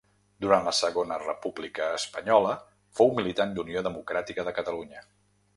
Durant la Segona República Espanyola fou militant d'Unió Democràtica de Catalunya.